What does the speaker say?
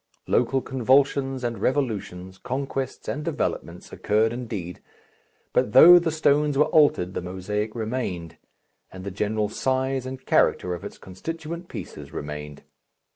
Local convulsions and revolutions, conquests and developments, occurred indeed, but though the stones were altered the mosaic remained, and the general size and character of its constituent pieces remained.